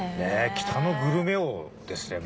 「北のグルメ王」ですねもうね。